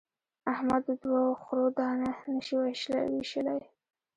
احمد د دوو خرو دانه نه شي وېشلای.